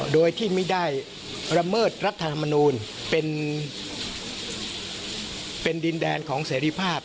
โดยที่ไม่ได้ระเมิดรัฐธรรมนูลเป็นดินแดนของเสรีภาพ